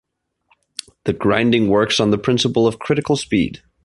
The grinding works on the principle of critical speed.